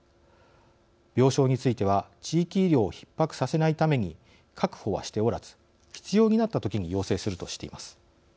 病床については地域医療をひっ迫させないために確保はしておらず必要になったときに要請するとしています。